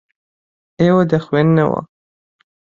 ئێوە دەخوێننەوە.